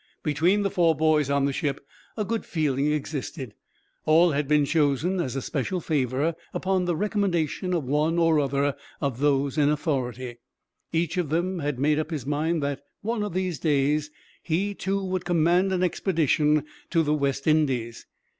Between the four boys on the ship a good feeling existed. All had been chosen as a special favor, upon the recommendation of one or other of those in authority. Each of them had made up his mind that, one of these days, he, too, would command an expedition to the West Indies.